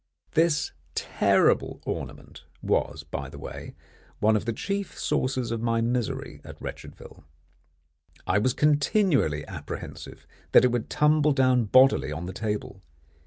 This terrible ornament was, by the way, one of the chief sources of my misery at Wretchedville: I was continually apprehensive that it would tumble down bodily on the table.